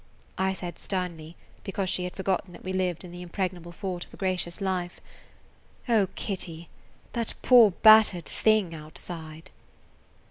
I said sternly, because she had forgotten that we lived in the impregnable fort of a gracious life: "O Kitty, that poor battered thing outside!"